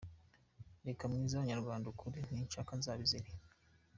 reka mbwize abanyarwanda ukuri ninshaka nzabizire.